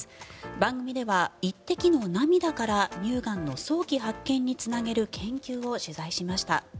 番組では１滴の涙から乳がんの早期発見につなげる研究を取材しました。